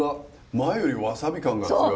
前よりワサビ感が強い。